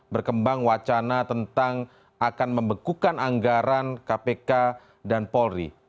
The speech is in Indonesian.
berkembang wacana tentang akan membekukan anggaran kpk dan polri